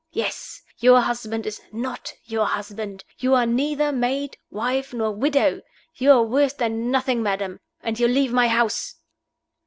Yes! your husband is not your husband. You are neither maid, wife, nor widow. You are worse than nothing, madam, and you leave my house!"